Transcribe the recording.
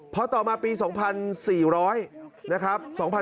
พอต่อมาปี๒๔๐๐นะครับ